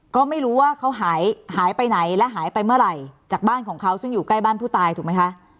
ก็ไม่รู้ว่าเขาหายหายไปไหนและหายไปเมื่อไหร่จากบ้านของเขาซึ่งอยู่ใกล้บ้านผู้ตายถูกไหมคะ